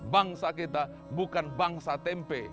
bangsa kita bukan bangsa tempe